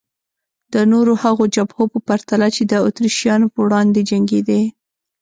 د نورو هغو جبهو په پرتله چې د اتریشیانو په وړاندې جنګېدې.